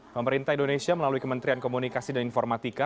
pemerintah indonesia melalui kementerian komunikasi dan informatika